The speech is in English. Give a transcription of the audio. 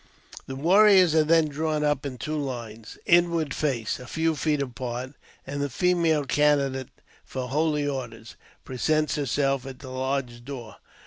The warriors are then drawn up in two lines, " inward face," a few feet apart, and the female candidate for " holy orders " presents herself at the lodge door.